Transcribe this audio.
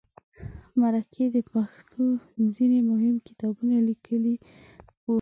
مرکې د پښتو ځینې مهم کتابونه لیکلي وو.